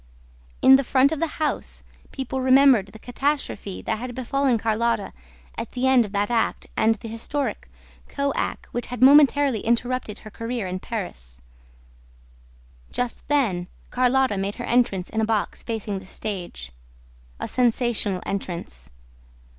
In the front of the house, people remembered the catastrophe that had befallen Carlotta at the end of that act and the historic "co ack" which had momentarily interrupted her career in Paris. Just then, Carlotta made her entrance in a box facing the stage, a sensational entrance.